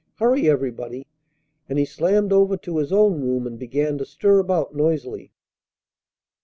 Hurry everybody!" And he slammed over to his own room and began to stir about noisily.